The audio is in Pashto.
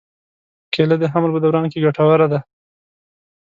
کېله د حمل په دوران کې ګټوره ده.